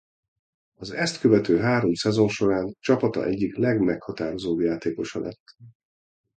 Az ezt követő három szezon során csapata egyik legmeghatározóbb játékosa lett.